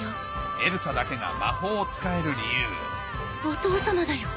エルサだけが魔法を使える理由お父様だよ。